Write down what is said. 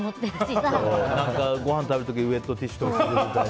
ごはん食べる時ウェットティッシュとか持ってたり。